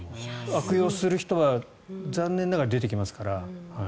悪用する人は残念ながら出てきますから。